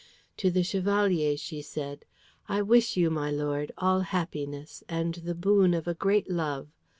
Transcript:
To the Chevalier she said, "I wish you, my lord, all happiness, and the boon of a great love.